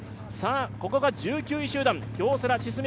ここが１９集団。